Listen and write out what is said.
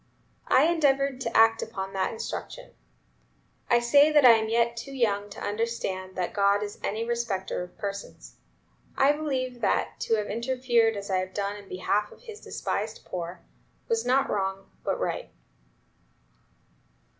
I endeavored to act up to that instruction. I say that I am yet too young to understand that God is any respecter of persons. I believe that, to have interfered as I have done in behalf of His despised poor, was not wrong, but right."